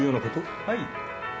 はい。